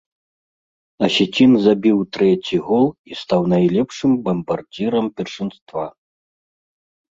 Асецін забіў трэці гол і стаў найлепшым бамбардзірам першынства.